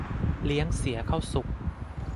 เลี้ยงเสียข้าวสุก